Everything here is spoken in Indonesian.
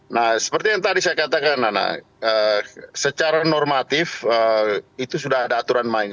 nah seperti yang tadi saya katakan nana secara normatif itu sudah ada aturan main